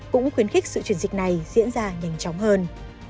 cũng khuyến khích sự chuyển dịch này diễn ra nhanh chóng hơn